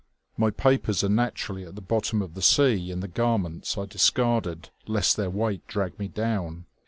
"My papers are naturally at the bottom of the sea, in the garments I discarded lest their weight drag me down.